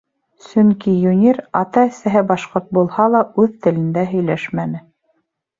Сөнки Юнир, ата-әсәһе башҡорт булһа ла, үҙ телендә һөйләшмәне.